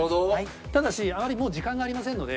ただしあまりもう時間がありませんので。